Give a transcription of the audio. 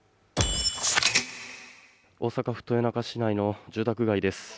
大阪府豊中市内の住宅街です。